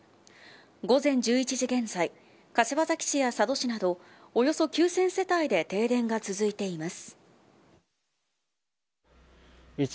午前１１時現在柏崎市や佐渡市などおよそ９０００世帯で停電が続いています。